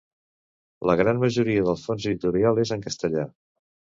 La gran majoria del fons editorial és en castellà.